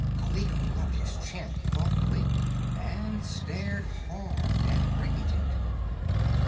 Kaliko rubbed his chin thoughtfully and stared hard at Rinkitink.